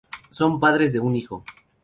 Son padres de un hijo.